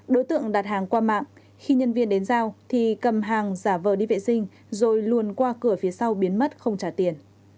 đối tượng đặt hàng qua mạng khi nhân viên đến giao thì cầm hàng giả vờ đi vệ sinh rồi luồn qua cửa phía sau biến mất không trả tiền